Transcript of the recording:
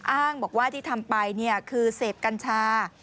อ้างบอกว่าที่ทำไปคือเสพกัญชา